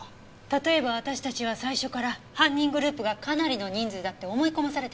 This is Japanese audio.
例えば私たちは最初から犯人グループがかなりの人数だって思い込まされていたとしたら。